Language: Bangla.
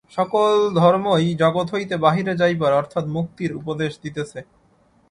সকল ধর্মই জগৎ হইতে বাহিরে যাইবার অর্থাৎ মুক্তির উপদেশ দিতেছে।